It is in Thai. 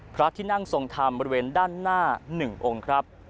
พระที่นั่งทรงธรรมบริเวณด้านหน้า๑องค์ครับ